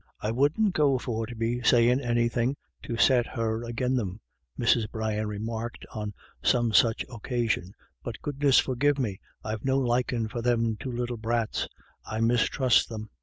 " I wouldn't go for to be savin' anythin' to set COMING AND GOING. 291 her agin them," Mrs. Brian remarked on some such occasion, " but, goodness forgive me, I've no likin' for them two little brats; I misthrust them."